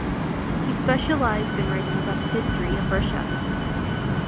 He specialized in writing about the history of Russia.